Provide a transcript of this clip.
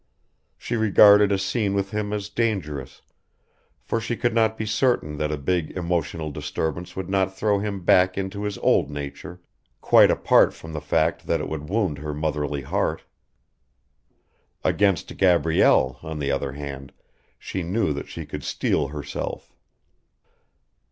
She regarded a scene with him as dangerous, for she could not be certain that a big emotional disturbance would not throw him back into his old nature, quite apart from the fact that it would wound her motherly heart. Against Gabrielle, on the other hand, she knew that she could steel herself.